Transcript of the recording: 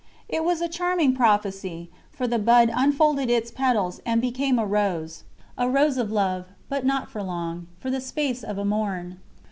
It was a charming prophecy, for the bud unfolded its petals and became a rose a rose of love but not for long, "for the space of a morn!"